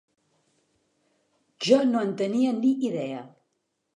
Jo no en tenia ni idea.